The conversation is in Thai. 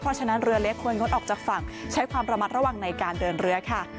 เพราะฉะนั้นเรือเล็กควรงดออกจากฝั่งใช้ความระมัดระวังในการเดินเรือค่ะ